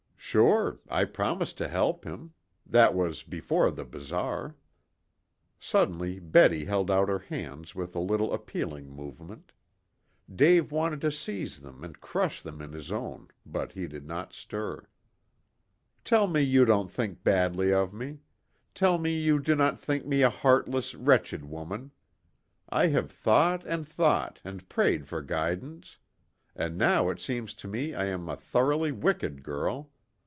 "Sure, I promised to help him. That was before the bazaar." Suddenly Betty held out her hands with a little appealing movement. Dave wanted to seize them and crush them in his own, but he did not stir. "Tell me you don't think badly of me. Tell me you do not think me a heartless, wretched woman. I have thought and thought, and prayed for guidance. And now it seems to me I am a thoroughly wicked girl.